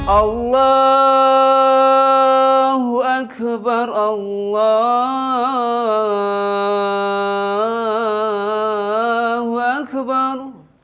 allahu akbar allahu akbar